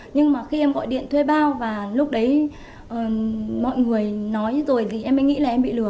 nhưng mà khi em gọi điện thuê bao và lúc đấy mọi người nói rồi thì em mới nghĩ là em bị lừa